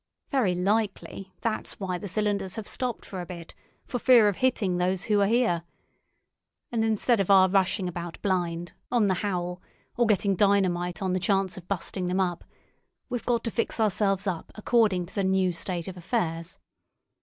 Very likely that's why the cylinders have stopped for a bit, for fear of hitting those who are here. And instead of our rushing about blind, on the howl, or getting dynamite on the chance of busting them up, we've got to fix ourselves up according to the new state of affairs.